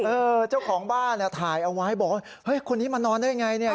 เจ้าของบ้านเนี่ยถ่ายเอาไว้บอกว่าเฮ้ยคนนี้มานอนได้ไงเนี่ย